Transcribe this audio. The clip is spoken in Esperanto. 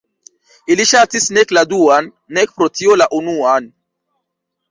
Ili ŝatis nek la duan, nek pro tio la unuan.